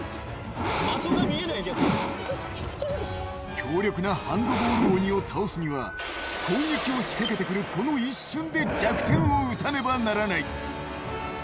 強力なハンドボール鬼を倒すには攻撃を仕掛けてくる、この一瞬で弱点を撃たなければならない。